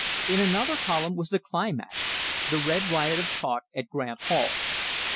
In another column was the climax, the "red riot of talk" at Grant Hall.